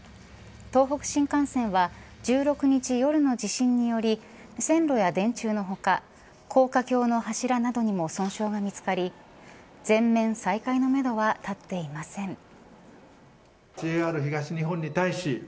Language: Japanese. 東北新幹線は１６日夜の地震により線路や電柱の他高架橋の柱などにも損傷が見つかり全面再開のめどは立っていません。